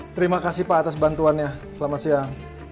terima kasih pak atas bantuannya selamat siang